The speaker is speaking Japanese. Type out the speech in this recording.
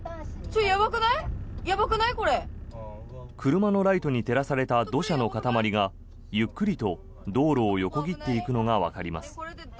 車のライトに照らされた土砂の塊がゆっくりと道路を横切っていくのがわかります。